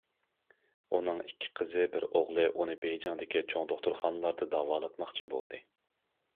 ئۇنىڭ ئىككى قىزى، بىر ئوغلى ئۇنى بېيجىڭدىكى چوڭ دوختۇرخانىلاردا داۋالاتماقچى بولدى.